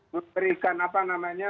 memberikan apa namanya